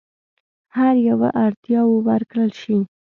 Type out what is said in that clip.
هر یوه اړتیاوو ورکړل شي.